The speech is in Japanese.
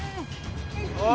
おい。